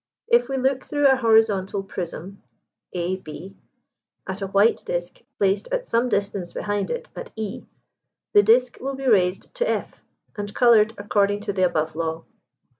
If we look through a horizontal prism (a b) at a white disk placed at some distance behind it at e, the disk will be raised to f, and coloured according to the above law.